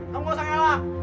kamu gak usah ngelak